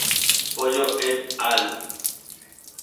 Pollo et al.